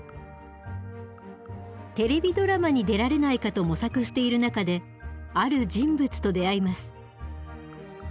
テレビドラマに出られないかと模索している中である人物と出会います。